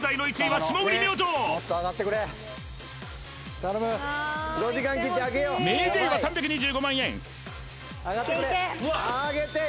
ＭａｙＪ．は３２５万円